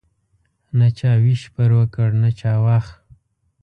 نه چا ویش پر وکړ نه چا واخ.